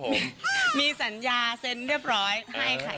เพราะว่ามีสัญญาเซ็นเรียบร้อยให้ค่ะ